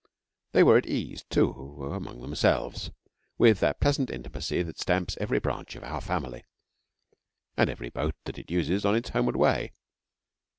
They were at ease, too, among themselves, with that pleasant intimacy that stamps every branch of Our Family and every boat that it uses on its homeward way.